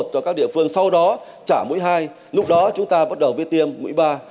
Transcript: cho các địa phương sau đó trả mũi hai lúc đó chúng ta bắt đầu biết tiêm mũi ba